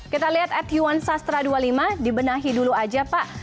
kita lihat at yuan sastra dua puluh lima dibenahi dulu aja pak